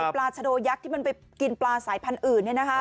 ปลาชะโดยักษ์ที่มันไปกินปลาสายพันธุ์อื่น